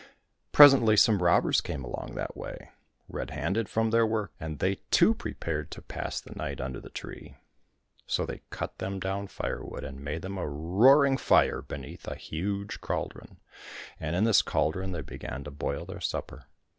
Presently some robbers came along that way, red handed from their work, and they too prepared to pass the night under the tree. So they cut them down firewood, and made them a roaring fire beneath a huge cauldron, and in this cauldron they began to boil their supper.